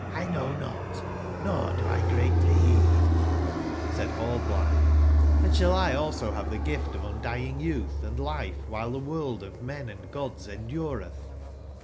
know not, nor do X greatly beed'' J9 Said Hallblitbe: *'Hnd sball 1 also bave tbat gift of undying youtb, and lif ewbile tbe world of men and gods enduretb